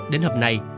đến hôm nay